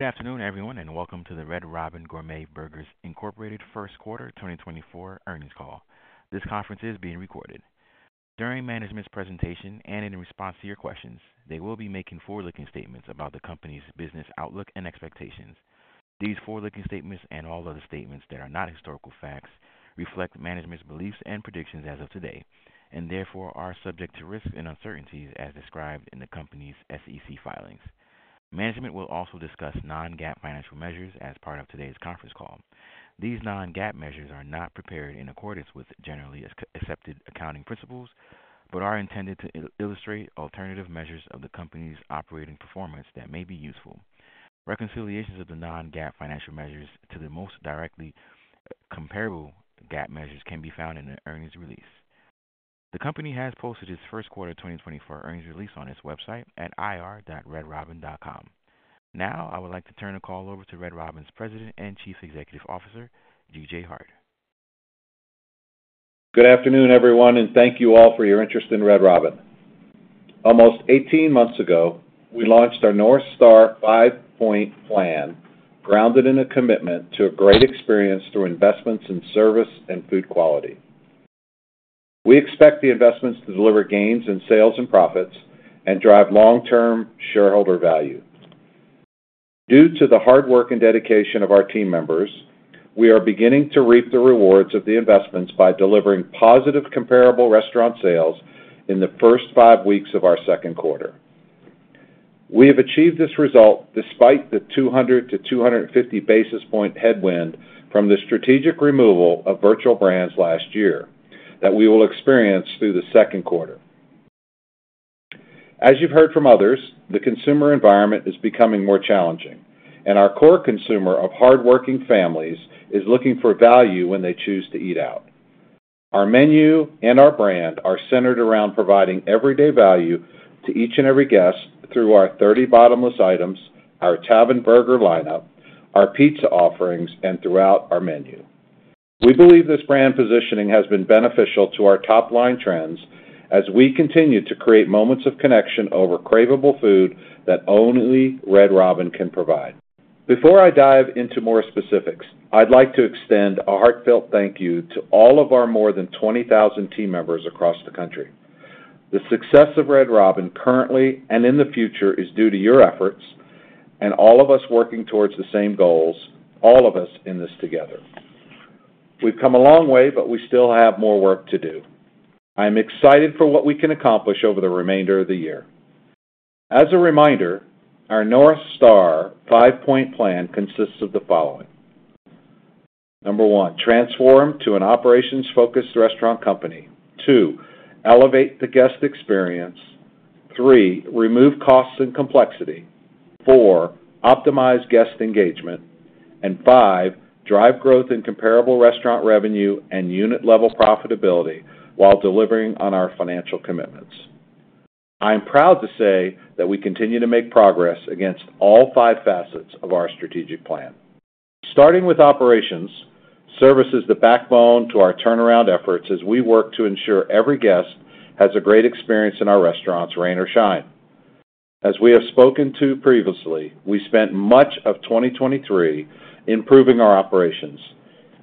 Good afternoon, everyone, and welcome to the Red Robin Gourmet Burgers, Inc first quarter 2024 earnings call. This conference is being recorded. During management's presentation and in response to your questions, they will be making forward-looking statements about the company's business outlook and expectations. These forward-looking statements, and all other statements that are not historical facts, reflect management's beliefs and predictions as of today, and therefore are subject to risks and uncertainties as described in the company's SEC filings. Management will also discuss non-GAAP financial measures as part of today's conference call. These non-GAAP measures are not prepared in accordance with generally accepted accounting principles, but are intended to illustrate alternative measures of the company's operating performance that may be useful. Reconciliations of the non-GAAP financial measures to the most directly comparable GAAP measures can be found in the earnings release. The company has posted its first quarter 2024 earnings release on its website at ir.redrobin.com. Now, I would like to turn the call over to Red Robin's President and Chief Executive Officer, G.J. Hart. Good afternoon, everyone, and thank you all for your interest in Red Robin. Almost 18 months ago, we launched our North Star five-point plan, grounded in a commitment to a great experience through investments in service and food quality. We expect the investments to deliver gains in sales and profits and drive long-term shareholder value. Due to the hard work and dedication of our team members, we are beginning to reap the rewards of the investments by delivering positive comparable restaurant sales in the first five weeks of our second quarter. We have achieved this result despite the 200-250 basis point headwind from the strategic removal of virtual brands last year that we will experience through the second quarter. As you've heard from others, the consumer environment is becoming more challenging, and our core consumer of hardworking families is looking for value when they choose to eat out. Our menu and our brand are centered around providing everyday value to each and every guest through our 30 Bottomless items, our Tavern Burger lineup, our pizza offerings, and throughout our menu. We believe this brand positioning has been beneficial to our top-line trends as we continue to create moments of connection over craveable food that only Red Robin can provide. Before I dive into more specifics, I'd like to extend a heartfelt thank you to all of our more than 20,000 team members across the country. The success of Red Robin, currently and in the future, is due to your efforts and all of us working towards the same goals, all of us in this together. We've come a long way, but we still have more work to do. I'm excited for what we can accomplish over the remainder of the year. As a reminder, our North Star five-point plan consists of the following: number one, transform to an operations-focused restaurant company; two, elevate the guest experience; three, remove costs and complexity; four, optimize guest engagement, and five, drive growth in comparable restaurant revenue and unit-level profitability while delivering on our financial commitments. I am proud to say that we continue to make progress against all five facets of our strategic plan. Starting with operations, service is the backbone to our turnaround efforts as we work to ensure every guest has a great experience in our restaurants, rain or shine. As we have spoken to previously, we spent much of 2023 improving our operations.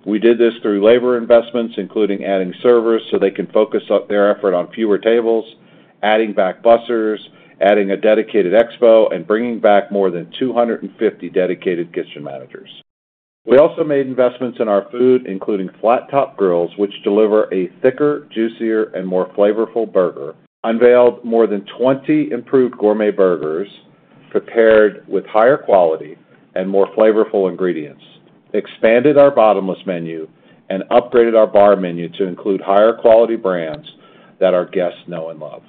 We did this through labor investments, including adding servers, so they can focus up their effort on fewer tables, adding back bussers, adding a dedicated expo, and bringing back more than 250 dedicated kitchen managers. We also made investments in our food, including flat top grills, which deliver a thicker, juicier, and more flavorful burger, unveiled more than 20 improved gourmet burgers prepared with higher quality and more flavorful ingredients, expanded our Bottomless menu, and upgraded our bar menu to include higher-quality brands that our guests know and love.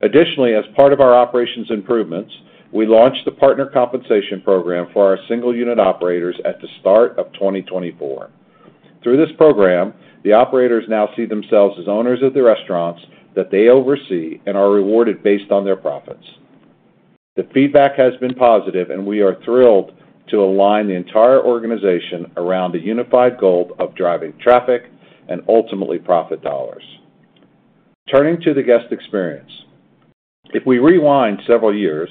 Additionally, as part of our operations improvements, we launched the Managing Partner compensation program for our single-unit operators at the start of 2024. Through this program, the operators now see themselves as owners of the restaurants that they oversee and are rewarded based on their profits. The feedback has been positive, and we are thrilled to align the entire organization around the unified goal of driving traffic and ultimately profit dollars. Turning to the guest experience. If we rewind several years,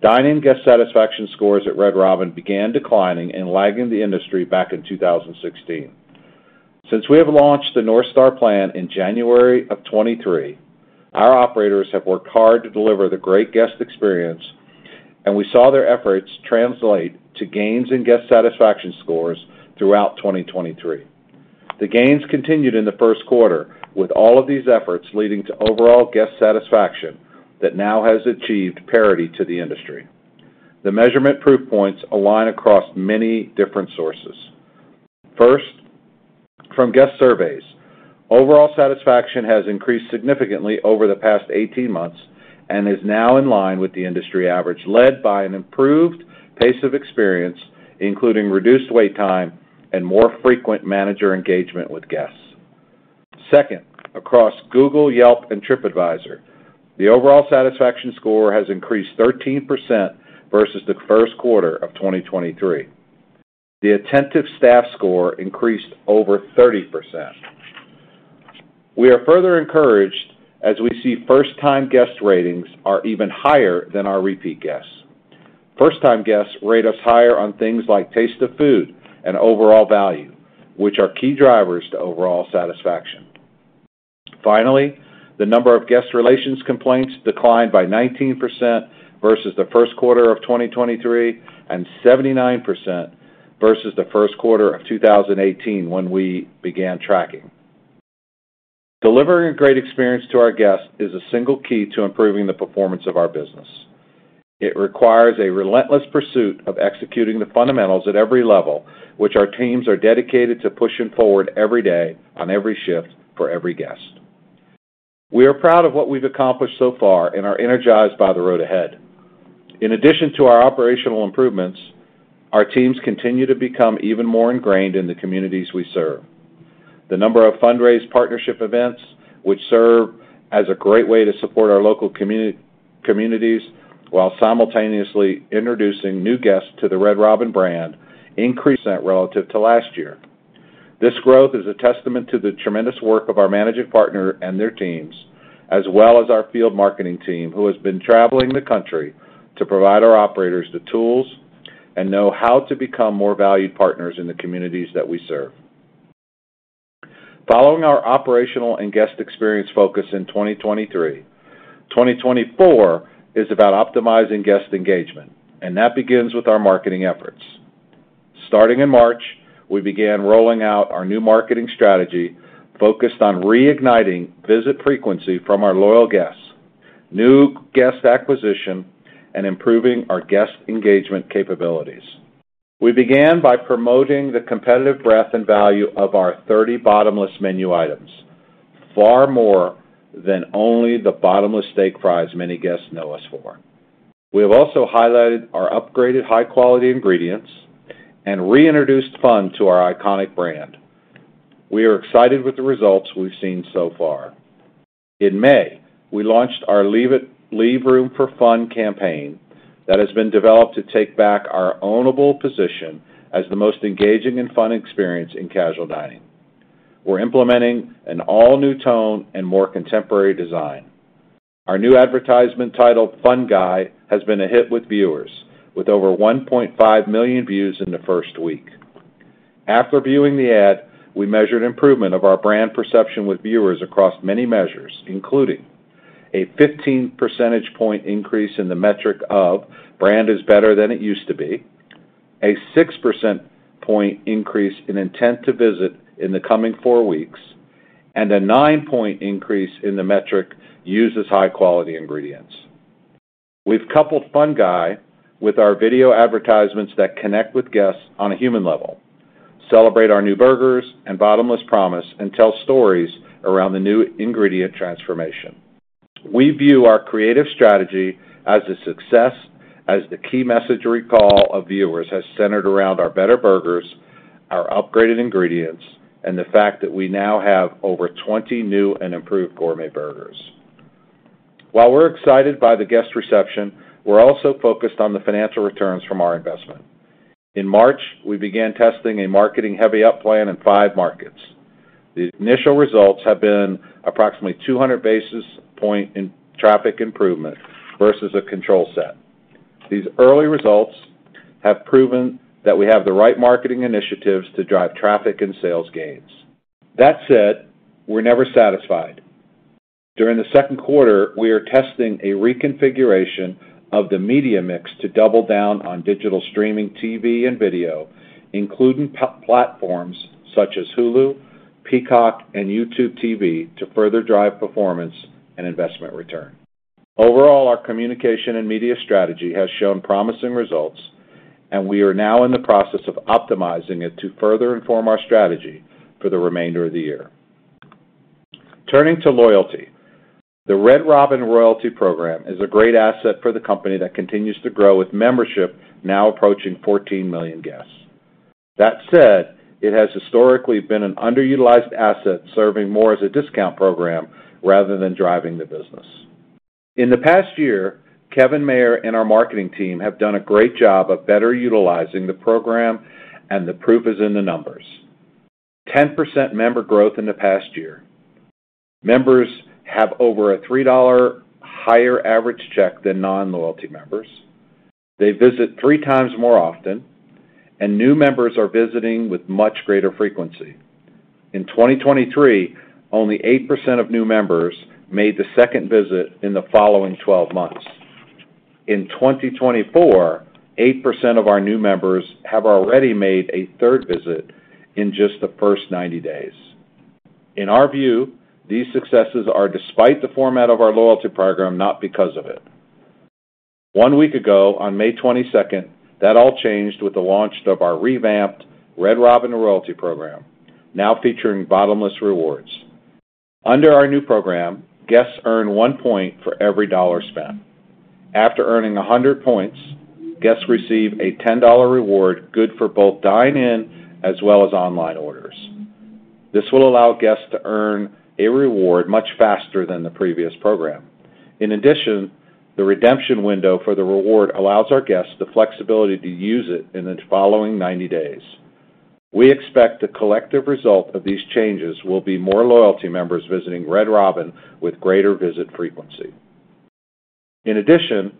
dine-in guest satisfaction scores at Red Robin began declining and lagging the industry back in 2016. Since we have launched the North Star plan in January of 2023, our operators have worked hard to deliver the great guest experience, and we saw their efforts translate to gains in guest satisfaction scores throughout 2023. The gains continued in the first quarter, with all of these efforts leading to overall guest satisfaction that now has achieved parity to the industry. The measurement proof points align across many different sources. First, from guest surveys, overall satisfaction has increased significantly over the past 18 months and is now in line with the industry average, led by an improved pace of experience, including reduced wait time and more frequent manager engagement with guests. Second, across Google, Yelp, and Tripadvisor, the overall satisfaction score has increased 13% versus the first quarter of 2023. The attentive staff score increased over 30%. We are further encouraged as we see first-time guest ratings are even higher than our repeat guests. First-time guests rate us higher on things like taste of food and overall value, which are key drivers to overall satisfaction. Finally, the number of guest relations complaints declined by 19% versus the first quarter of 2023, and 79% versus the first quarter of 2018, when we began tracking. Delivering a great experience to our guests is a single key to improving the performance of our business. It requires a relentless pursuit of executing the fundamentals at every level, which our teams are dedicated to pushing forward every day, on every shift, for every guest. We are proud of what we've accomplished so far and are energized by the road ahead. In addition to our operational improvements, our teams continue to become even more ingrained in the communities we serve. The number of fundraiser partnership events, which serve as a great way to support our local communities, while simultaneously introducing new guests to the Red Robin brand, increased relative to last year. This growth is a testament to the tremendous work of our managing partner and their teams, as well as our field marketing team, who has been traveling the country to provide our operators the tools and know-how to become more valued partners in the communities that we serve. Following our operational and guest experience focus in 2023, 2024 is about optimizing guest engagement, and that begins with our marketing efforts. Starting in March, we began rolling out our new marketing strategy, focused on reigniting visit frequency from our loyal guests, new guest acquisition, and improving our guest engagement capabilities. We began by promoting the competitive breadth and value of our 30 Bottomless menu items, far more than only the Bottomless Steak Fries many guests know us for. We have also highlighted our upgraded, high-quality ingredients and reintroduced fun to our iconic brand. We are excited with the results we've seen so far. In May, we launched our Leave Room for Fun campaign that has been developed to take back our ownable position as the most engaging and fun experience in casual dining. We're implementing an all-new tone and more contemporary design. Our new advertisement, titled Fun Guy, has been a hit with viewers, with over 1.5 million views in the first week. After viewing the ad, we measured improvement of our brand perception with viewers across many measures, including a 15 percentage point increase in the metric of brand is better than it used to be, a six percentage point increase in intent to visit in the coming four weeks, and a nine-point increase in the metric, uses high-quality ingredients. We've coupled Fun Guy with our video advertisements that connect with guests on a human level, celebrate our new burgers and Bottomless promise, and tell stories around the new ingredient transformation. We view our creative strategy as a success, as the key message recall of viewers has centered around our better burgers, our upgraded ingredients, and the fact that we now have over 20 new and improved gourmet burgers. While we're excited by the guest reception, we're also focused on the financial returns from our investment. In March, we began testing a marketing heavy-up plan in five markets. The initial results have been approximately 200 basis points in traffic improvement versus a control set. These early results have proven that we have the right marketing initiatives to drive traffic and sales gains. That said, we're never satisfied. During the second quarter, we are testing a reconfiguration of the media mix to double down on digital streaming, TV, and video, including platforms such as Hulu, Peacock, and YouTube TV, to further drive performance and investment return. Overall, our communication and media strategy has shown promising results, and we are now in the process of optimizing it to further inform our strategy for the remainder of the year. Turning to loyalty, the Red Robin Royalty program is a great asset for the company that continues to grow, with membership now approaching 14 million guests. That said, it has historically been an underutilized asset, serving more as a discount program rather than driving the business. In the past year, Kevin Mayer and our marketing team have done a great job of better utilizing the program, and the proof is in the numbers. 10% member growth in the past year. Members have over a $3 higher average check than non-loyalty members. They visit three times more often, and new members are visiting with much greater frequency. In 2023, only 8% of new members made the second visit in the following 12 months. In 2024, 8% of our new members have already made a third visit in just the first 90 days. In our view, these successes are despite the format of our loyalty program, not because of it. One week ago, on May 22, that all changed with the launch of our revamped Red Robin Royalty program, now featuring Bottomless rewards. Under our new program, guests earn 1 point for every dollar spent. After earning 100 points, guests receive a $10 reward, good for both dine-in as well as online orders. This will allow guests to earn a reward much faster than the previous program. In addition, the redemption window for the reward allows our guests the flexibility to use it in the following 90 days. We expect the collective result of these changes will be more loyalty members visiting Red Robin with greater visit frequency. In addition,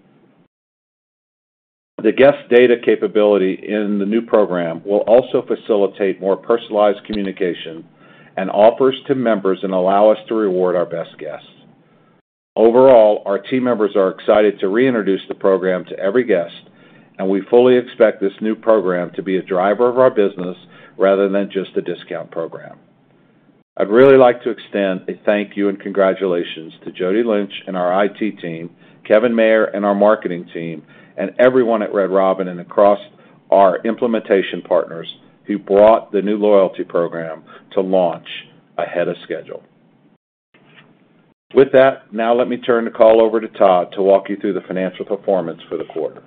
the guest data capability in the new program will also facilitate more personalized communication and offers to members and allow us to reward our best guests. Overall, our team members are excited to reintroduce the program to every guest, and we fully expect this new program to be a driver of our business rather than just a discount program. I'd really like to extend a thank you and congratulations to Jyoti Lynch and our IT team, Kevin Mayer and our marketing team, and everyone at Red Robin and across our implementation partners who brought the new loyalty program to launch ahead of schedule. With that, now let me turn the call over to Todd to walk you through the financial performance for the quarter.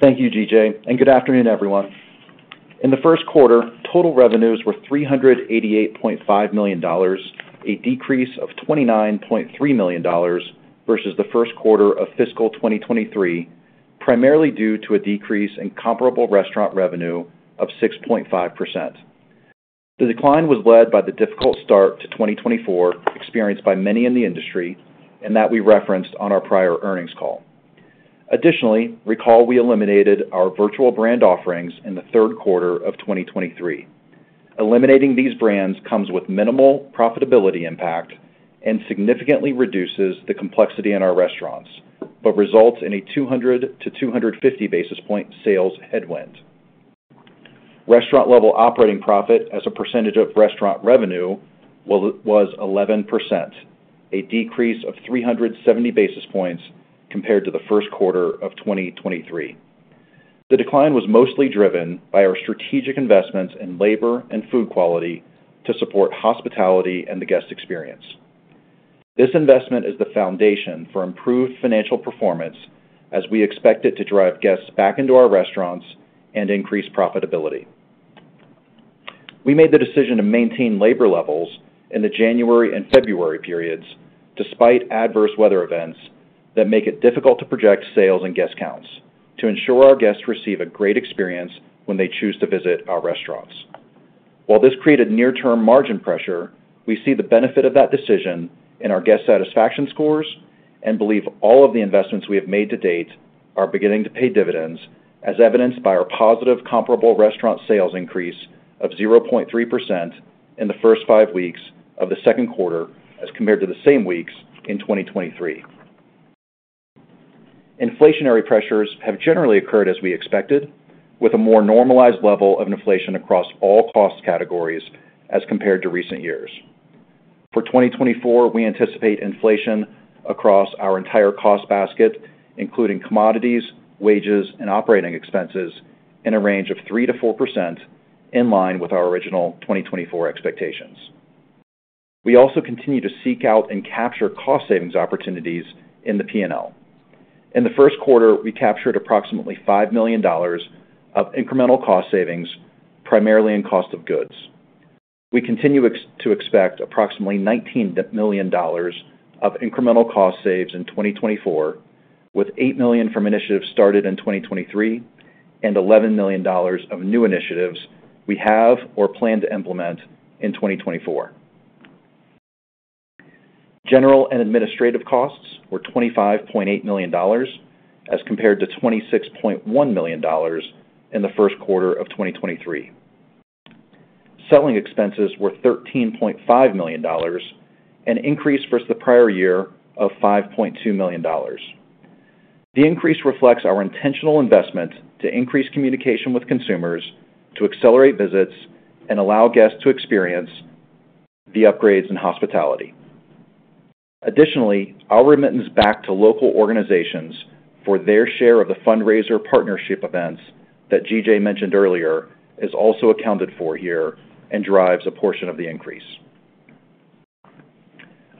Thank you, G.J., and good afternoon, everyone. In the first quarter, total revenues were $388.5 million, a decrease of $29.3 million versus the first quarter of fiscal 2023, primarily due to a decrease in comparable restaurant revenue of 6.5%. The decline was led by the difficult start to 2024, experienced by many in the industry, and that we referenced on our prior earnings call. Additionally, recall, we eliminated our virtual brand offerings in the third quarter of 2023. Eliminating these brands comes with minimal profitability impact and significantly reduces the complexity in our restaurants, but results in a 200-250 basis point sales headwind. Restaurant level operating profit as a percentage of restaurant revenue was 11%, a decrease of 370 basis points compared to the first quarter of 2023. The decline was mostly driven by our strategic investments in labor and food quality to support hospitality and the guest experience. This investment is the foundation for improved financial performance as we expect it to drive guests back into our restaurants and increase profitability. We made the decision to maintain labor levels in the January and February periods, despite adverse weather events, that make it difficult to project sales and guest counts, to ensure our guests receive a great experience when they choose to visit our restaurants. While this created near-term margin pressure, we see the benefit of that decision in our guest satisfaction scores and believe all of the investments we have made to date are beginning to pay dividends, as evidenced by our positive comparable restaurant sales increase of 0.3% in the first five weeks of the second quarter, as compared to the same weeks in 2023. Inflationary pressures have generally occurred as we expected, with a more normalized level of inflation across all cost categories as compared to recent years. For 2024, we anticipate inflation across our entire cost basket, including commodities, wages, and operating expenses in a range of 3%-4%, in line with our original 2024 expectations. We also continue to seek out and capture cost savings opportunities in the P&L. In the first quarter, we captured approximately $5 million of incremental cost savings, primarily in cost of goods. We continue to expect approximately $19 million of incremental cost saves in 2024, with $8 million from initiatives started in 2023 and $11 million of new initiatives we have or plan to implement in 2024. General and administrative costs were $25.8 million, as compared to $26.1 million in the first quarter of 2023. Selling expenses were $13.5 million, an increase versus the prior year of $5.2 million. The increase reflects our intentional investment to increase communication with consumers, to accelerate visits, and allow guests to experience the upgrades in hospitality. Additionally, our remittance back to local organizations for their share of the fundraiser partnership events that G.J. mentioned earlier, is also accounted for here and drives a portion of the increase.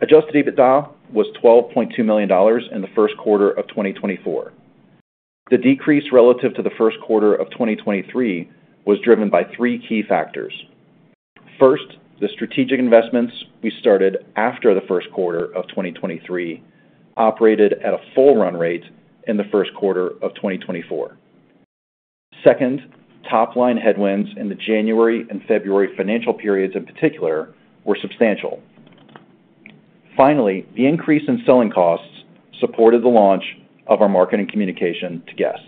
Adjusted EBITDA was $12.2 million in the first quarter of 2024. The decrease relative to the first quarter of 2023 was driven by three key factors. First, the strategic investments we started after the first quarter of 2023, operated at a full run rate in the first quarter of 2024. Second, top-line headwinds in the January and February financial periods in particular, were substantial. Finally, the increase in selling costs supported the launch of our marketing communication to guests.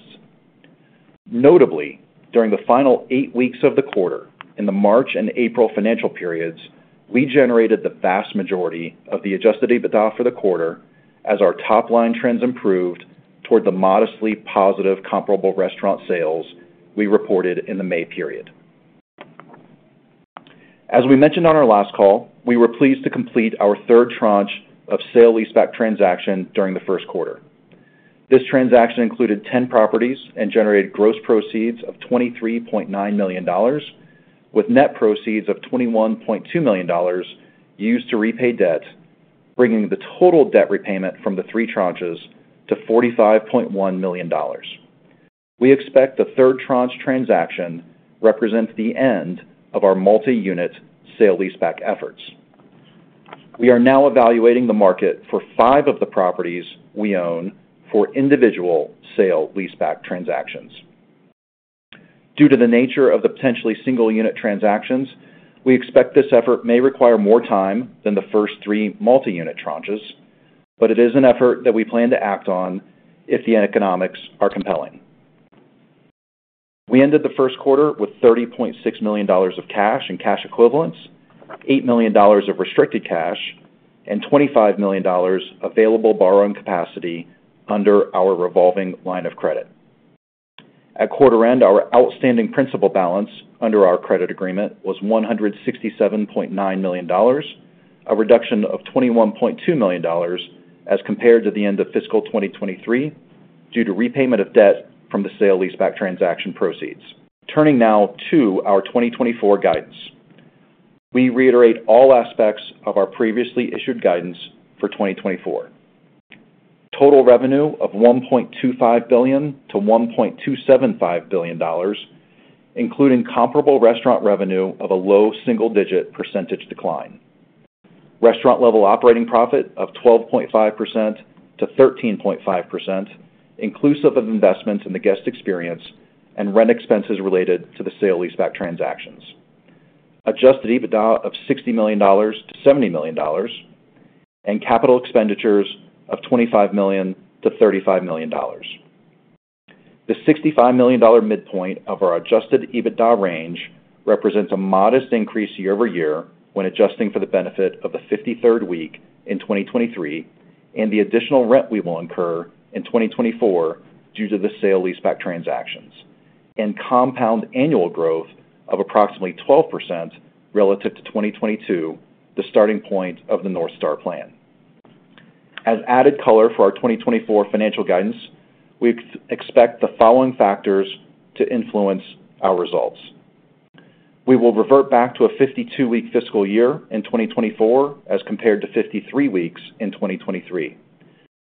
Notably, during the final eight weeks of the quarter, in the March and April financial periods, we generated the vast majority of the adjusted EBITDA for the quarter as our top-line trends improved toward the modestly positive comparable restaurant sales we reported in the May period. As we mentioned on our last call, we were pleased to complete our third tranche of sale-leaseback transaction during the first quarter. This transaction included 10 properties and generated gross proceeds of $23.9 million, with net proceeds of $21.2 million used to repay debt, bringing the total debt repayment from the three tranches to $45.1 million. We expect the third tranche transaction represents the end of our multi-unit sale-leaseback efforts. We are now evaluating the market for five of the properties we own for individual sale-leaseback transactions. Due to the nature of the potentially single unit transactions, we expect this effort may require more time than the first three multi-unit tranches, but it is an effort that we plan to act on if the economics are compelling. We ended the first quarter with $30.6 million of cash and cash equivalents, $8 million of restricted cash, and $25 million available borrowing capacity under our revolving line of credit. At quarter end, our outstanding principal balance under our credit agreement was $167.9 million, a reduction of $21.2 million as compared to the end of fiscal 2023, due to repayment of debt from the sale-leaseback transaction proceeds. Turning now to our 2024 guidance. We reiterate all aspects of our previously issued guidance for 2024. Total revenue of $1.25 billion-$1.275 billion, including comparable restaurant revenue of a low single-digit percentage decline. Restaurant level operating profit of 12.5%-13.5%, inclusive of investments in the guest experience and rent expenses related to the sale-leaseback transactions. Adjusted EBITDA of $60 million-$70 million, and capital expenditures of $25 million-$35 million. The $65 million midpoint of our adjusted EBITDA range represents a modest increase year-over-year when adjusting for the benefit of the 53rd week in 2023 and the additional rent we will incur in 2024 due to the sale-leaseback transactions, and compound annual growth of approximately 12% relative to 2022, the starting point of the North Star plan. As added color for our 2024 financial guidance, we expect the following factors to influence our results. We will revert back to a 52-week fiscal year in 2024, as compared to 53 weeks in 2023.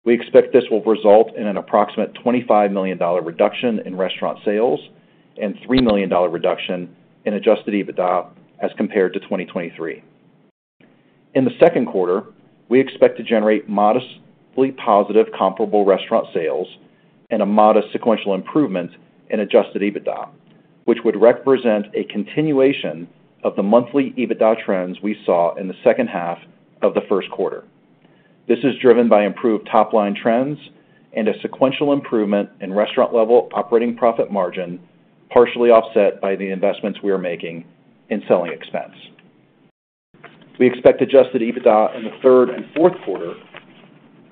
We expect this will result in an approximate $25 million reduction in restaurant sales and $3 million reduction in adjusted EBITDA as compared to 2023. In the second quarter, we expect to generate modestly positive comparable restaurant sales and a modest sequential improvement in adjusted EBITDA, which would represent a continuation of the monthly EBITDA trends we saw in the second half of the first quarter. This is driven by improved top-line trends and a sequential improvement in restaurant-level operating profit margin, partially offset by the investments we are making in selling expense. We expect adjusted EBITDA in the third and fourth quarter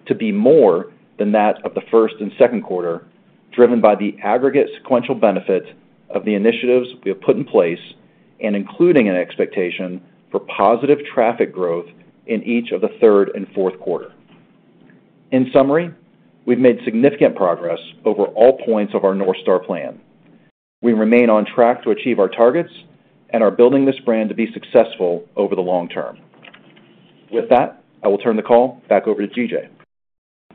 to be more than that of the first and second quarter, driven by the aggregate sequential benefit of the initiatives we have put in place and including an expectation for positive traffic growth in each of the third and fourth quarter. In summary, we've made significant progress over all points of our North Star plan. We remain on track to achieve our targets and are building this brand to be successful over the long term. With that, I will turn the call back over to G.J.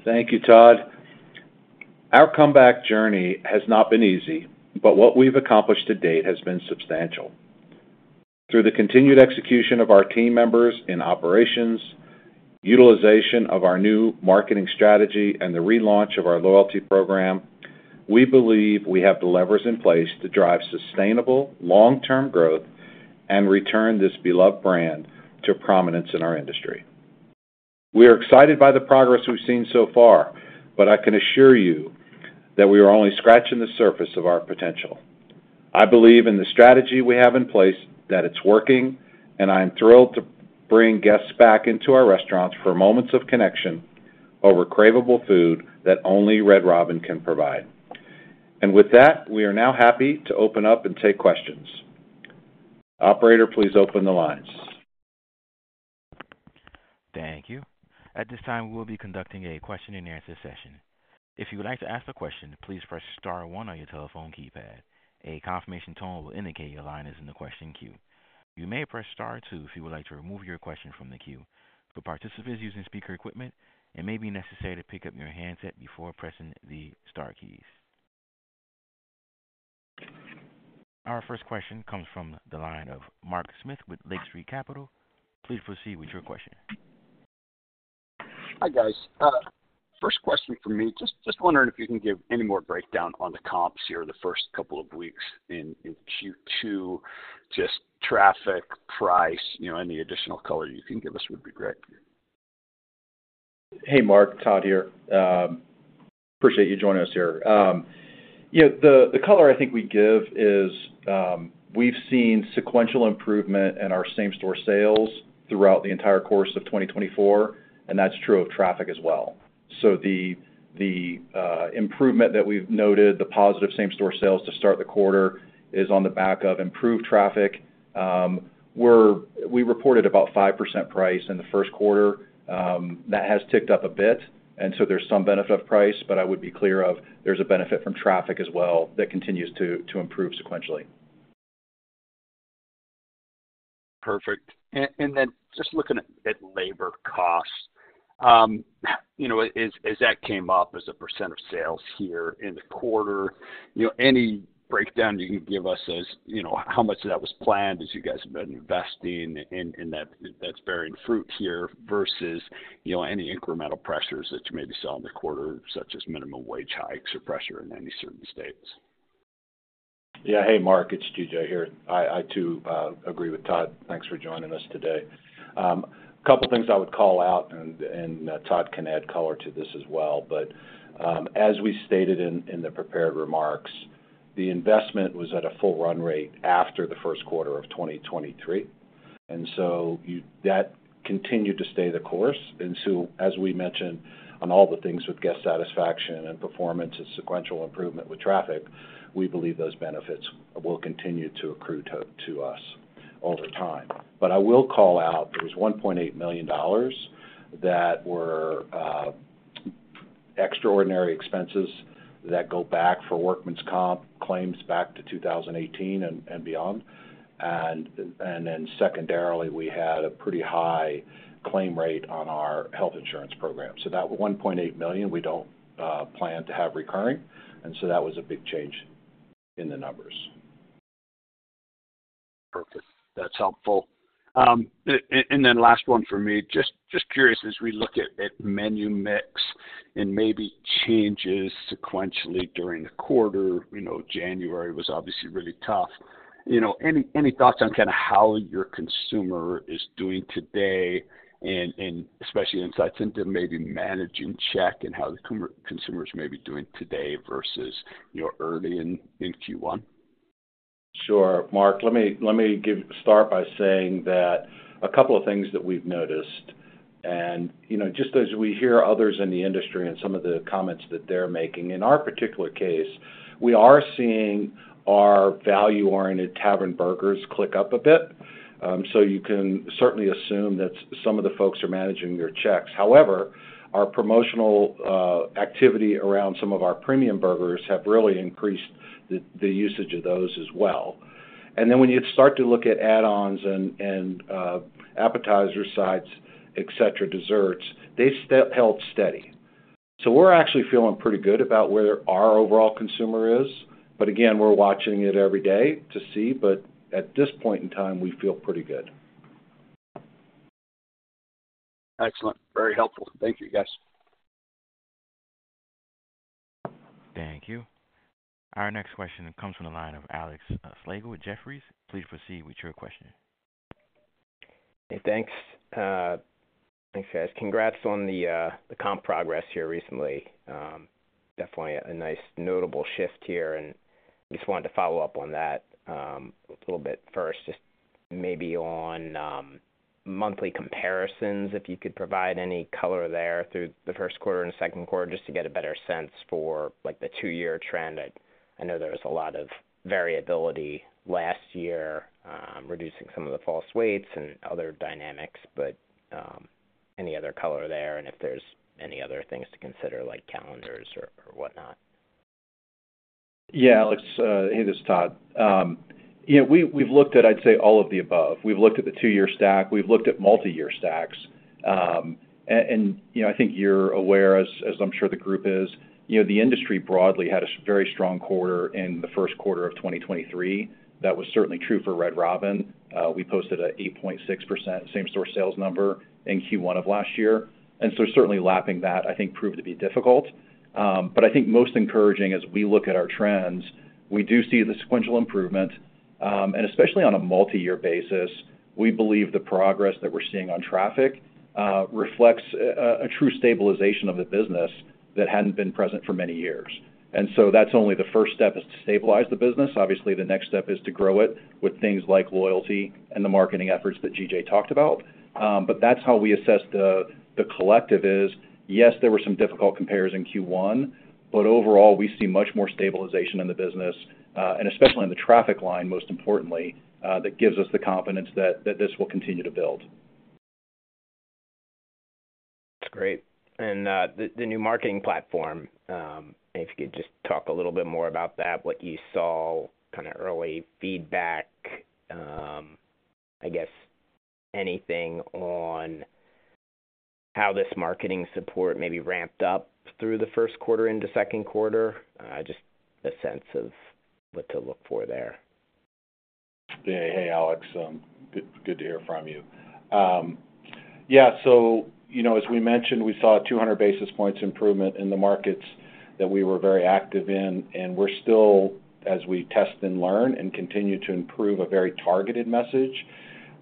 Thank you, Todd. Our comeback journey has not been easy, but what we've accomplished to date has been substantial. Through the continued execution of our team members in operations, utilization of our new marketing strategy, and the relaunch of our loyalty program, we believe we have the levers in place to drive sustainable long-term growth and return this beloved brand to prominence in our industry. We are excited by the progress we've seen so far, but I can assure you that we are only scratching the surface of our potential. I believe in the strategy we have in place, that it's working, and I am thrilled to bring guests back into our restaurants for moments of connection over craveable food that only Red Robin can provide. And with that, we are now happy to open up and take questions. Operator, please open the lines. Thank you. At this time, we'll be conducting a question-and-answer session. If you would like to ask a question, please press star one on your telephone keypad. A confirmation tone will indicate your line is in the question queue. You may press star two if you would like to remove your question from the queue. For participants using speaker equipment, it may be necessary to pick up your handset before pressing the star keys. Our first question comes from the line of Mark Smith with Lake Street Capital. Please proceed with your question. Hi, guys. First question for me. Just wondering if you can give any more breakdown on the comps here in the first couple of weeks in Q2. Just traffic, price, you know, any additional color you can give us would be great. Hey, Mark, Todd here. Appreciate you joining us here. Yeah, the color I think we give is, we've seen sequential improvement in our same-store sales throughout the entire course of 2024, and that's true of traffic as well. So the improvement that we've noted, the positive same-store sales to start the quarter, is on the back of improved traffic. We're—we reported about 5% price in the first quarter. That has ticked up a bit, and so there's some benefit of price, but I would be clear of there's a benefit from traffic as well, that continues to improve sequentially. Perfect. And then just looking at labor costs, you know, as that came up as a percent of sales here in the quarter, you know, any breakdown you can give us as, you know, how much of that was planned as you guys have been investing in that, that's bearing fruit here versus, you know, any incremental pressures that you maybe saw in the quarter, such as minimum wage hikes or pressure in any certain states? Yeah. Hey, Mark, it's G.J. here. I too agree with Todd. Thanks for joining us today. A couple things I would call out, and Todd can add color to this as well, but as we stated in the prepared remarks, the investment was at a full run rate after the first quarter of 2023, and so you-- that continued to stay the course. And so, as we mentioned, on all the things with guest satisfaction and performance and sequential improvement with traffic, we believe those benefits will continue to accrue to us over time. But I will call out, there was $1.8 million that were extraordinary expenses that go back for workmen's comp claims back to 2018 and beyond. And then secondarily, we had a pretty high claim rate on our health insurance program. So that $1.8 million, we don't plan to have recurring, and so that was a big change in the numbers. Perfect. That's helpful. And then last one for me, just curious, as we look at menu mix and maybe changes sequentially during the quarter, you know, January was obviously really tough. You know, any thoughts on kinda how your consumer is doing today, and especially insights into maybe managing check and how the consumers may be doing today versus, you know, early in Q1? Sure, Mark. Let me start by saying that a couple of things that we've noticed, and, you know, just as we hear others in the industry and some of the comments that they're making, in our particular case, we are seeing our value-oriented tavern burgers click up a bit. So you can certainly assume that some of the folks are managing their checks. However, our promotional activity around some of our premium burgers have really increased the usage of those as well. And then when you start to look at add-ons and appetizer sides, et cetera, desserts, they've held steady. So we're actually feeling pretty good about where our overall consumer is. But again, we're watching it every day to see, but at this point in time, we feel pretty good. Excellent. Very helpful. Thank you, guys. Thank you. Our next question comes from the line of Alex Slagle with Jefferies. Please proceed with your question. Hey, thanks. Thanks, guys. Congrats on the comp progress here recently. Definitely a nice notable shift here, and just wanted to follow up on that a little bit. First, just maybe on monthly comparisons, if you could provide any color there through the first quarter and second quarter, just to get a better sense for, like, the two-year trend. I know there was a lot of variability last year, reducing some of the false weights and other dynamics, but any other color there, and if there's any other things to consider, like calendars or whatnot. Yeah, Alex, hey, this is Todd. You know, we, we've looked at, I'd say, all of the above. We've looked at the two-year stack, we've looked at multiyear stacks. And, you know, I think you're aware, as I'm sure the group is, you know, the industry broadly had a very strong quarter in the first quarter of 2023. That was certainly true for Red Robin. We posted an 8.6% same-store sales number in Q1 of last year, and so certainly lapping that, I think, proved to be difficult. But I think most encouraging as we look at our trends, we do see the sequential improvement, and especially on a multi-year basis, we believe the progress that we're seeing on traffic reflects a true stabilization of the business that hadn't been present for many years. And so that's only the first step, is to stabilize the business. Obviously, the next step is to grow it with things like loyalty and the marketing efforts that G.J. talked about. But that's how we assess the collective is, yes, there were some difficult compares in Q1, but overall, we see much more stabilization in the business, and especially in the traffic line, most importantly, that gives us the confidence that this will continue to build. That's great. And the new marketing platform, if you could just talk a little bit more about that, what you saw, kinda early feedback, I guess anything on how this marketing support may be ramped up through the first quarter into second quarter? Just a sense of what to look for there. Yeah. Hey, Alex, good, good to hear from you. Yeah, so, you know, as we mentioned, we saw 200 basis points improvement in the markets that we were very active in, and we're still, as we test and learn and continue to improve, a very targeted message.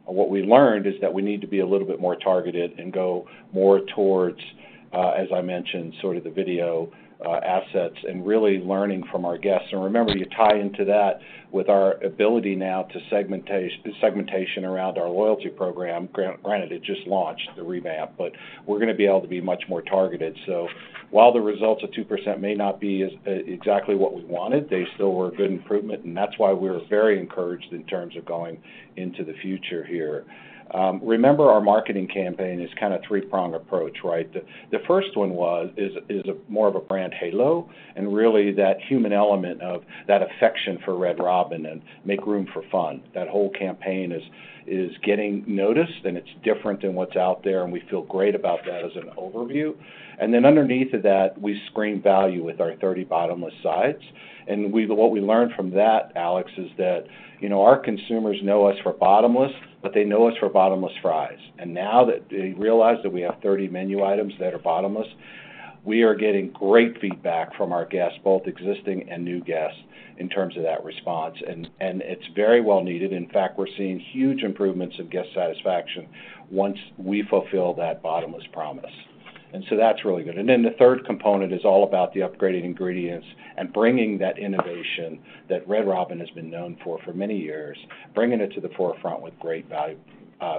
What we learned is that we need to be a little bit more targeted and go more towards, as I mentioned, sort of the video assets and really learning from our guests. And remember, you tie into that with our ability now to segmentation around our loyalty program. Granted, it just launched, the revamp, but we're gonna be able to be much more targeted. So while the results of 2% may not be as exactly what we wanted, they still were a good improvement, and that's why we're very encouraged in terms of going into the future here. Remember, our marketing campaign is kind of three-pronged approach, right? The first one is a more of a brand halo, and really, that human element of that affection for Red Robin and Leave Room for Fun. That whole campaign is getting noticed, and it's different than what's out there, and we feel great about that as an overview. And then underneath of that, we screen value with our 30 Bottomless sides. And what we learned from that, Alex, is that, you know, our consumers know us for Bottomless, but they know us for Bottomless fries. Now that they realize that we have 30 menu items that are Bottomless, we are getting great feedback from our guests, both existing and new guests, in terms of that response, and it's very well needed. In fact, we're seeing huge improvements in guest satisfaction once we fulfill that Bottomless promise. And so that's really good. And then the third component is all about the upgraded ingredients and bringing that innovation that Red Robin has been known for many years, bringing it to the forefront with great value,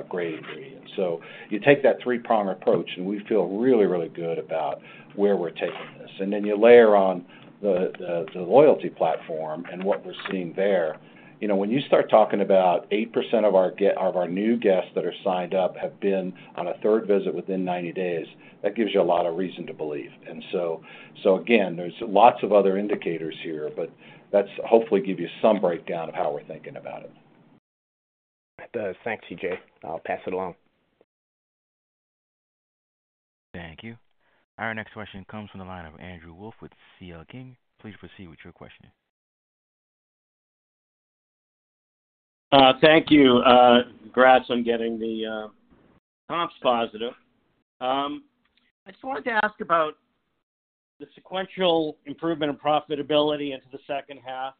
great ingredients. So you take that three-prong approach, and we feel really, really good about where we're taking this. And then you layer on the loyalty platform and what we're seeing there. You know, when you start talking about 8% of our new guests that are signed up have been on a third visit within 90 days, that gives you a lot of reason to believe. So again, there's lots of other indicators here, but that's hopefully give you some breakdown of how we're thinking about it. It does. Thanks, G.J. I'll pass it along. Thank you. Our next question comes from the line of Andrew Wolf with CL King. Please proceed with your question. Thank you. Congrats on getting the comps positive. I just wanted to ask about the sequential improvement in profitability into the second half,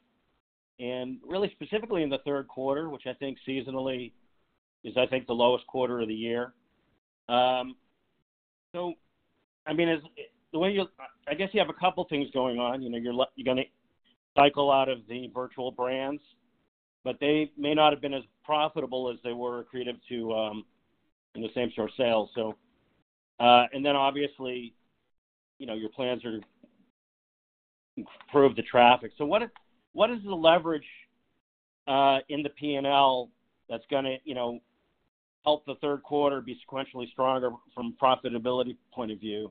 and really specifically in the third quarter, which I think seasonally is, I think, the lowest quarter of the year. So, I mean, as the way you... I guess you have a couple things going on. You know, you're gonna cycle out of the virtual brands, but they may not have been as profitable as they were accretive to in the same-store sales. So, and then obviously, you know, your plans are to improve the traffic. So what is, what is the leverage in the P&L that's gonna, you know, help the third quarter be sequentially stronger from profitability point of view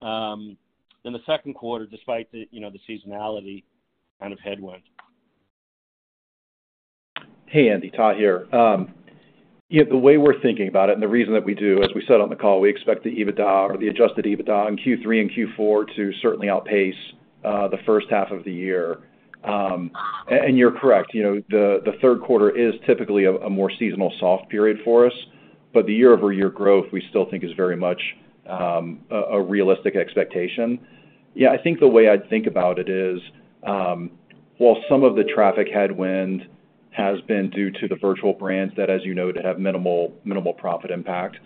than the second quarter, despite the, you know, the seasonality kind of headwind? Hey, Andy, Todd here. Yeah, the way we're thinking about it, and the reason that we do, as we said on the call, we expect the EBITDA or the adjusted EBITDA in Q3 and Q4 to certainly outpace the first half of the year. And you're correct. You know, the third quarter is typically a more seasonal soft period for us, but the year-over-year growth, we still think is very much a realistic expectation. Yeah, I think the way I'd think about it is, while some of the traffic headwind has been due to the virtual brands that, as you know, to have minimal, minimal profit impact,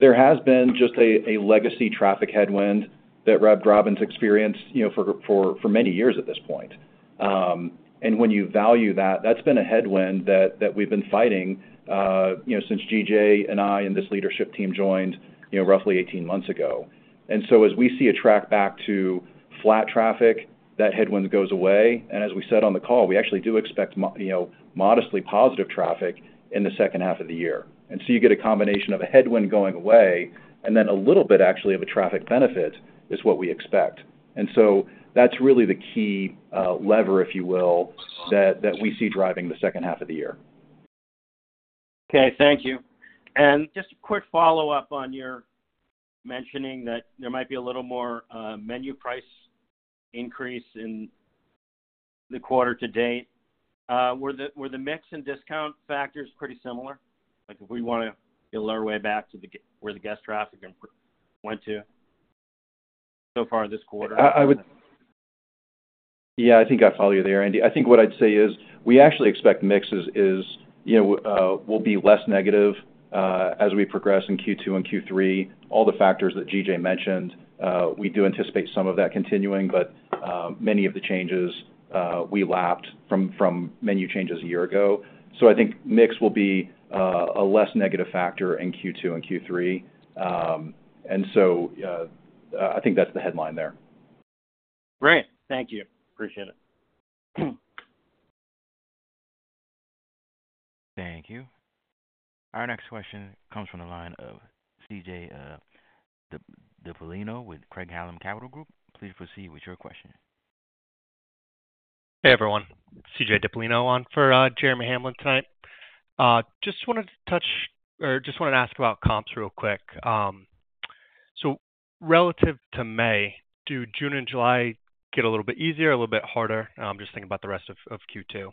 there has been just a legacy traffic headwind that Red Robin's experienced, you know, for many years at this point. And when you value that, that's been a headwind that, that we've been fighting, you know, since G.J. and I and this leadership team joined, you know, roughly 18 months ago. And so as we see a track back to flat traffic, that headwind goes away, and as we said on the call, we actually do expect mo-- you know, modestly positive traffic in the second half of the year. And so you get a combination of a headwind going away, and then a little bit actually of a traffic benefit, is what we expect. And so that's really the key, lever, if you will, that, that we see driving the second half of the year. Okay, thank you. Just a quick follow-up on your mentioning that there might be a little more menu price increase in the quarter to date. Were the mix and discount factors pretty similar? Like, if we wanna get our way back to where the guest traffic improvement went to so far this quarter? I would... Yeah, I think I follow you there, Andy. I think what I'd say is, we actually expect mix is, you know, will be less negative, as we progress in Q2 and Q3. All the factors that G.J. mentioned, we do anticipate some of that continuing, but, many of the changes, we lapped from menu changes a year ago. So I think mix will be, a less negative factor in Q2 and Q3. And so, I think that's the headline there. Great. Thank you. Appreciate it. Thank you. Our next question comes from the line of C.J. Dipollino with Craig-Hallum Capital Group. Please proceed with your question. Hey, everyone, C.J. Dipollino on for Jeremy Hamblin tonight. Just wanted to ask about comps real quick. So relative to May, do June and July get a little bit easier, a little bit harder? I'm just thinking about the rest of Q2.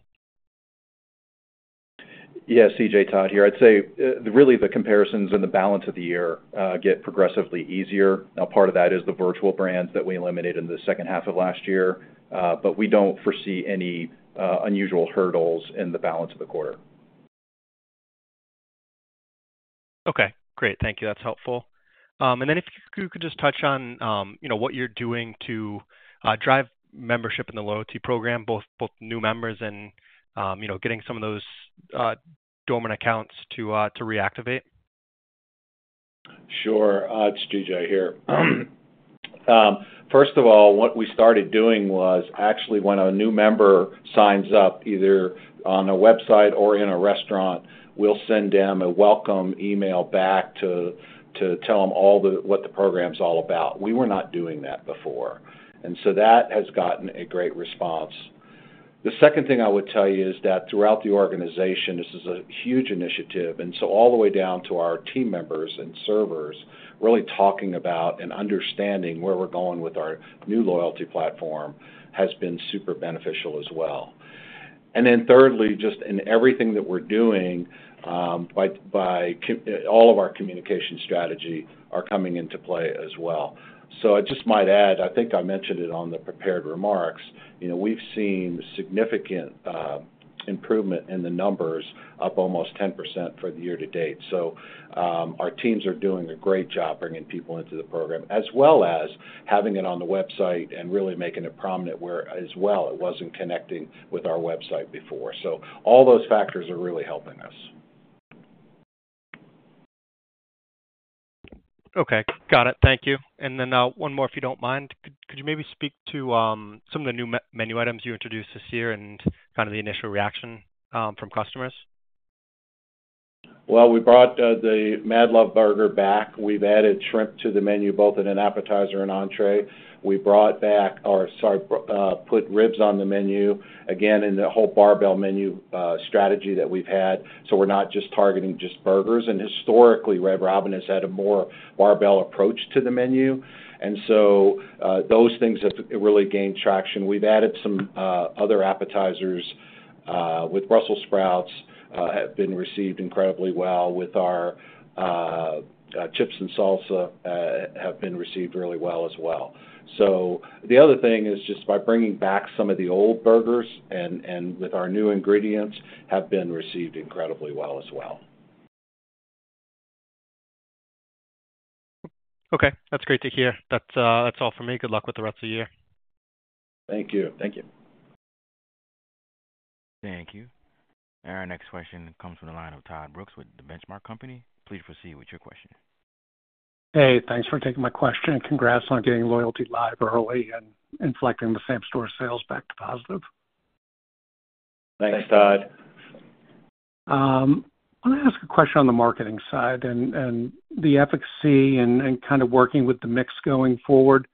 Yes, C.J., Todd here. I'd say, really, the comparisons in the balance of the year get progressively easier. Now, part of that is the virtual brands that we eliminated in the second half of last year, but we don't foresee any unusual hurdles in the balance of the quarter. Okay, great. Thank you. That's helpful. And then if you could just touch on, you know, what you're doing to drive membership in the loyalty program, both, both new members and, you know, getting some of those dormant accounts to reactivate? Sure. It's G.J. here. First of all, what we started doing was actually, when a new member signs up, either on a website or in a restaurant, we'll send them a welcome email back to tell them what the program's all about. We were not doing that before, and so that has gotten a great response. The second thing I would tell you is that throughout the organization, this is a huge initiative, and so all the way down to our team members and servers, really talking about and understanding where we're going with our new loyalty platform has been super beneficial as well. And then thirdly, just in everything that we're doing, by all of our communication strategy are coming into play as well. So I just might add, I think I mentioned it on the prepared remarks, you know, we've seen significant improvement in the numbers, up almost 10% for the year to date. So, our teams are doing a great job bringing people into the program, as well as having it on the website and really making it prominent, where as well, it wasn't connecting with our website before. So all those factors are really helping us. Okay, got it. Thank you. And then one more, if you don't mind. Could you maybe speak to some of the new menu items you introduced this year and kind of the initial reaction from customers? Well, we brought the MadLove Burger back. We've added shrimp to the menu, both in an appetizer and entrée. We brought back our pork ribs on the menu, again, in the whole barbell menu strategy that we've had, so we're not just targeting just burgers. Historically, Red Robin has had a more barbell approach to the menu, and so those things have really gained traction. We've added some other appetizers with Brussels Sprouts have been received incredibly well with our chips and salsa have been received really well as well. So the other thing is just by bringing back some of the old burgers and, and with our new ingredients, have been received incredibly well as well. Okay, that's great to hear. That's, that's all for me. Good luck with the rest of the year. Thank you. Thank you. Thank you. Our next question comes from the line of Todd Brooks with The Benchmark Company. Please proceed with your question. Hey, thanks for taking my question, and congrats on getting loyalty live early and inflecting the same-store sales back to positive. Thanks, Todd. Let me ask a question on the marketing side and the efficacy and kind of working with the mix going forward.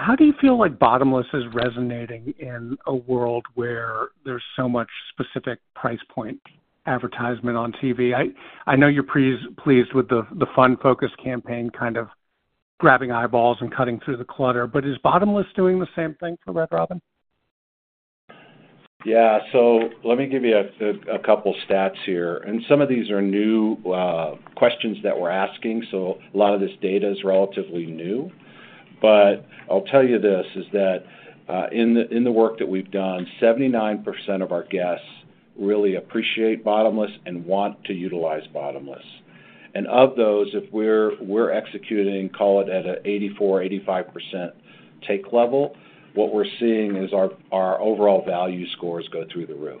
How do you feel like Bottomless is resonating in a world where there's so much specific price point advertisement on TV? I know you're pleased with the fun focused campaign, kind of grabbing eyeballs and cutting through the clutter, but is Bottomless doing the same thing for Red Robin? Yeah. So let me give you a couple stats here, and some of these are new questions that we're asking, so a lot of this data is relatively new. But I'll tell you this, is that in the work that we've done, 79% of our guests really appreciate Bottomless and want to utilize Bottomless. And of those, if we're executing, call it at a 84%-85% take level, what we're seeing is our overall value scores go through the roof,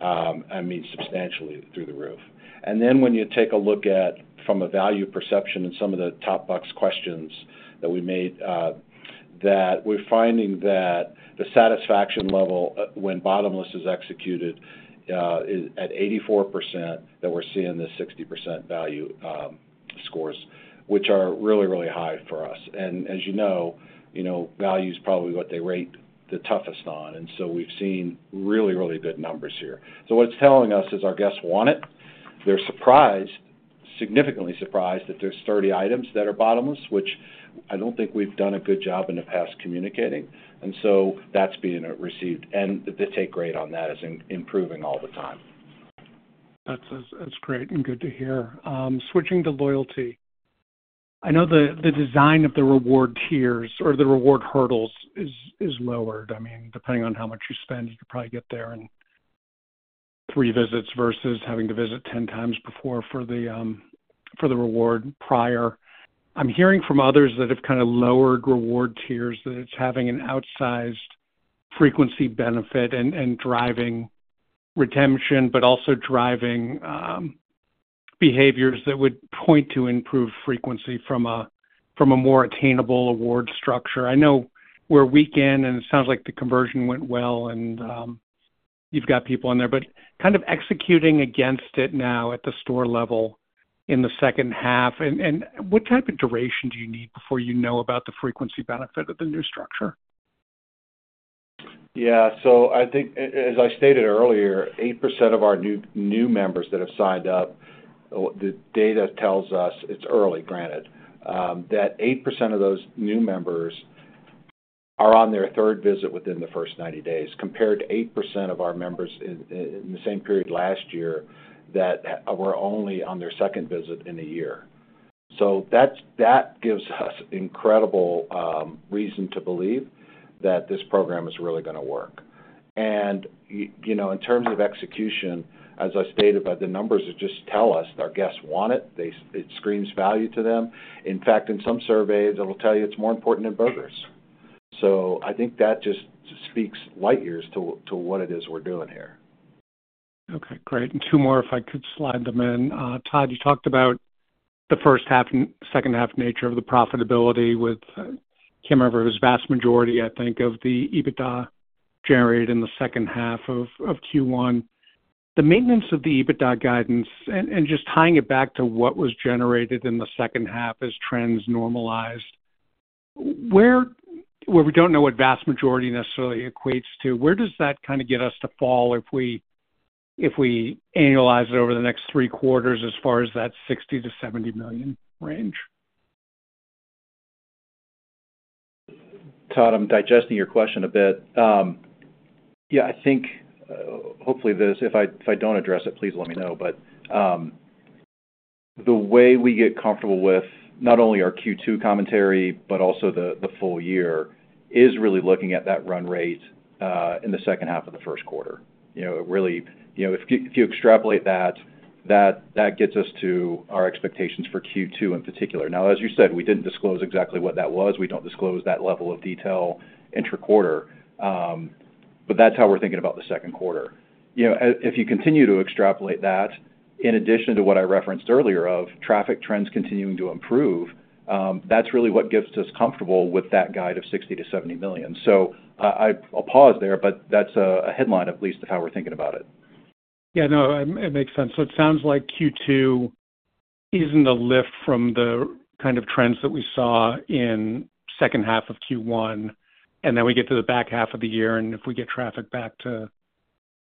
I mean, substantially through the roof. And then when you take a look at, from a value perception and some of the top box questions that we made, that we're finding that the satisfaction level, when Bottomless is executed, is at 84%, that we're seeing the 60% value scores, which are really, really high for us. And as you know, you know, value is probably what they rate the toughest on, and so we've seen really, really good numbers here. So what it's telling us is our guests want it. They're surprised, significantly surprised, that there's 30 items that are Bottomless, which I don't think we've done a good job in the past communicating, and so that's being received, and the take rate on that is improving all the time. That's, that's great and good to hear. Switching to loyalty, I know the design of the reward tiers or the reward hurdles is lowered. I mean, depending on how much you spend, you could probably get there in three visits versus having to visit 10 times before for the reward prior. I'm hearing from others that have kind of lowered reward tiers, that it's having an outsized frequency benefit and driving retention, but also driving behaviors that would point to improved frequency from a more attainable award structure. I know we're week in, and it sounds like the conversion went well, and you've got people on there, but kind of executing against it now at the store level in the second half. What type of duration do you need before you know about the frequency benefit of the new structure? Yeah. So I think, as I stated earlier, 8% of our new members that have signed up, the data tells us it's early, granted, that 8% of those new members are on their third visit within the first 90 days, compared to 8% of our members in the same period last year that were only on their second visit in a year. So that's. That gives us incredible reason to believe that this program is really going to work. And you know, in terms of execution, as I stated, by the numbers, it just tell us our guests want it. They. It screams value to them. In fact, in some surveys, it'll tell you it's more important than burgers. So I think that just speaks light years to what it is we're doing here. Okay, great. And two more, if I could slide them in. Todd, you talked about the first half and second half nature of the profitability with Red Robin, whose vast majority, I think, of the EBITDA generated in the second half of Q1. The maintenance of the EBITDA guidance and just tying it back to what was generated in the second half as trends normalized, where we don't know what vast majority necessarily equates to, where does that kind of get us to fall if we annualize it over the next three quarters as far as that $60 million-$70 million range? Todd, I'm digesting your question a bit. Yeah, I think, hopefully, this if I, if I don't address it, please let me know. But, the way we get comfortable with not only our Q2 commentary, but also the, the full year, is really looking at that run rate, in the second half of the first quarter. You know, it really-- you know, if you, if you extrapolate that, that, that gets us to our expectations for Q2 in particular. Now, as you said, we didn't disclose exactly what that was. We don't disclose that level of detail inter-quarter, but that's how we're thinking about the second quarter. You know, if, if you continue to extrapolate that, in addition to what I referenced earlier of traffic trends continuing to improve, that's really what gets us comfortable with that guide of $60 million-$70 million. So I'll pause there, but that's a headline, at least, of how we're thinking about it. Yeah, no, it makes sense. So it sounds like Q2 isn't a lift from the kind of trends that we saw in second half of Q1, and then we get to the back half of the year, and if we get traffic back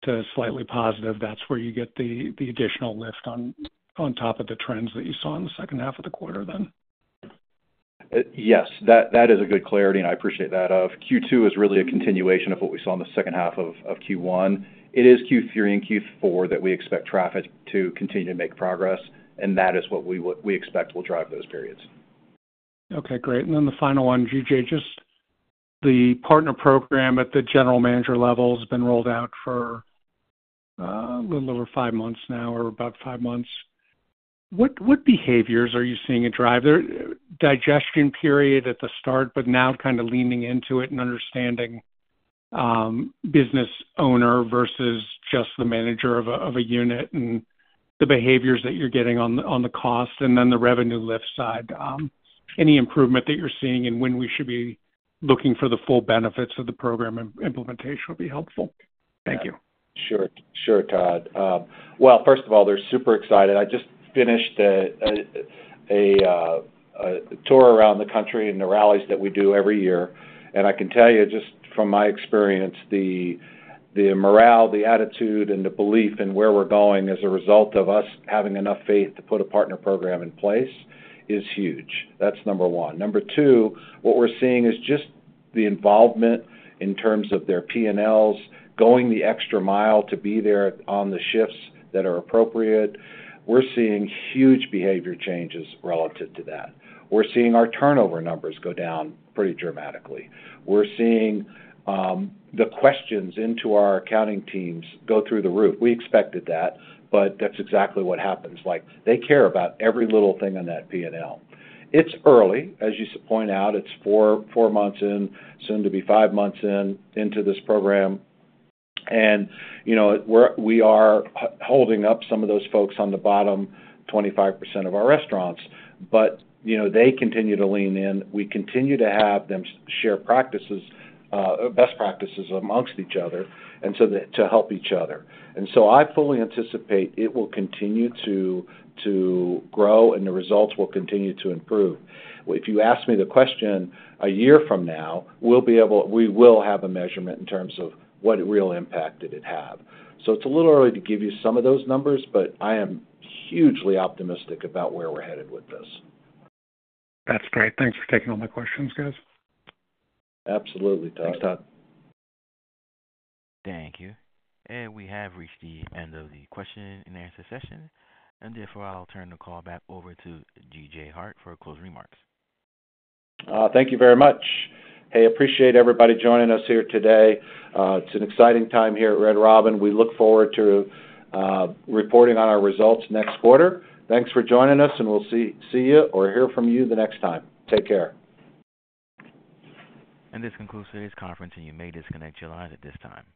to slightly positive, that's where you get the additional lift on top of the trends that you saw in the second half of the quarter, then? Yes, that is a good clarity, and I appreciate that. Q2 is really a continuation of what we saw in the second half of Q1. It is Q3 and Q4 that we expect traffic to continue to make progress, and that is what we expect will drive those periods. Okay, great. Then the final one, G.J., just the partner program at the general manager level has been rolled out for a little over five months now or about five months. What behaviors are you seeing it drive? There was a digestion period at the start, but now kind of leaning into it and understanding business owner versus just the manager of a unit and the behaviors that you're getting on the cost, and then the revenue lift side. Any improvement that you're seeing and when we should be looking for the full benefits of the program implementation would be helpful. Thank you. Sure. Sure, Todd. Well, first of all, they're super excited. I just finished a tour around the country and the rallies that we do every year, and I can tell you, just from my experience, the morale, the attitude and the belief in where we're going as a result of us having enough faith to put a partner program in place is huge. That's number one. Number two, what we're seeing is just the involvement in terms of their P&Ls going the extra mile to be there on the shifts that are appropriate. We're seeing huge behavior changes relative to that. We're seeing our turnover numbers go down pretty dramatically. We're seeing the questions into our accounting teams go through the roof. We expected that, but that's exactly what happens. Like, they care about every little thing on that P&L. It's early, as you point out, it's four months in, soon to be five months in, into this program. And, you know, we're-- we are holding up some of those folks on the bottom 25% of our restaurants, but, you know, they continue to lean in. We continue to have them share practices, best practices amongst each other, and so that to help each other. And so I fully anticipate it will continue to, to grow, and the results will continue to improve. If you ask me the question, a year from now, we'll be able-- we will have a measurement in terms of what real impact did it have. So it's a little early to give you some of those numbers, but I am hugely optimistic about where we're headed with this. That's great. Thanks for taking all my questions, guys. Absolutely, Todd. Thanks, Todd. Thank you. We have reached the end of the question and answer session, and therefore, I'll turn the call back over to G.J. Hart for closing remarks. Thank you very much. Hey, appreciate everybody joining us here today. It's an exciting time here at Red Robin. We look forward to reporting on our results next quarter. Thanks for joining us, and we'll see you or hear from you the next time. Take care. This concludes today's conference, and you may disconnect your line at this time.